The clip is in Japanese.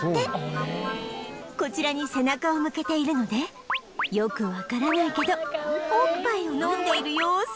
こちらに背中を向けているのでよくわからないけどおっぱいを飲んでいる様子